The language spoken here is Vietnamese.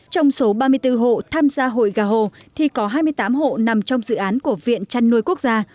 trong số ba mươi bốn hộ tham gia hội gà hồ thì có hai mươi tám hộ nằm trong dự án của viện chăn nuôi quốc gia